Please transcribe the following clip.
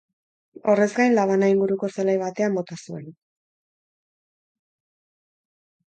Horrez gain, labana inguruko zelai batean bota zuen.